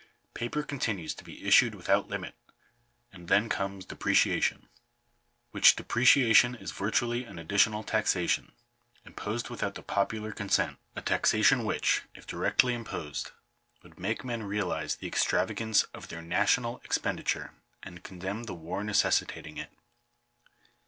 Paper continues to be issued without limit, and then comes depre ciation ; which depreciation is virtually an additional taxation, imposed without the popular consent — a taxation which, if directly imposed, would make men realize the extravagance of their national expenditure, and condemn the war necessi tating it.